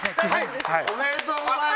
おめでとうございます！